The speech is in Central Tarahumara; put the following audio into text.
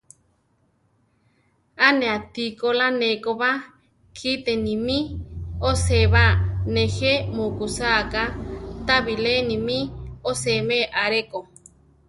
A ne atí ko lá ne ko ba, kite nimí osée ba; nejé mukusáa ga, ta bilé nimí oséme a rʼeko.